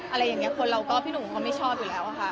อะไรอย่างนี้คนเราก็พี่หนุ่มเขาไม่ชอบอยู่แล้วอะค่ะ